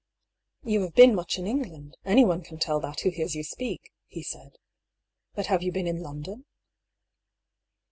" You have been much in England ; anyone can tell that who hears you speak," he said. " But have yott been in London